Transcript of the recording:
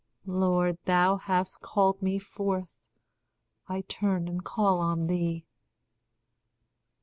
Lord, thou hast called me fourth, I turn and call on thee.